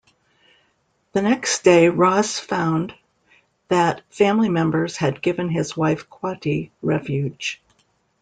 The next day, Ross found that family members had given his wife Quatie refuge.